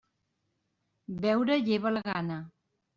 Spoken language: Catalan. Beure lleva la gana.